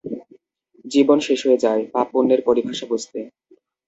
জীবন শেষ হয়ে যায়, পাপ পূণ্যের পরিভাষা বুঝতে।